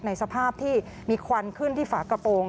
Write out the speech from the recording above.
ในสภาพที่มีควันขึ้นที่ฝากระโปรง